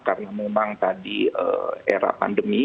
karena memang tadi era pandemi